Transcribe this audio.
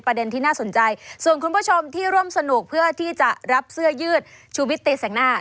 เพื่อที่จะรับเสื้อยืดชุวิตตีแสกหน้า